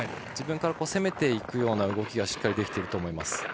自分から攻めていくような動きがしっかりできていると思います。